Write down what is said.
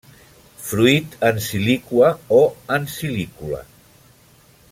Fruit en síliqua o en silícula.